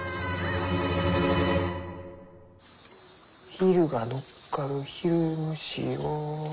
ヒルが乗っかるヒルムシロ。